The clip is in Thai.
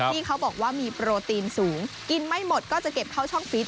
ที่เขาบอกว่ามีโปรตีนสูงกินไม่หมดก็จะเก็บเข้าช่องฟิต